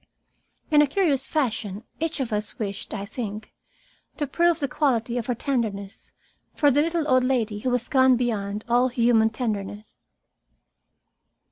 In a curious fashion, each of us wished, I think, to prove the quality of her tenderness for the little old lady who was gone beyond all human tenderness.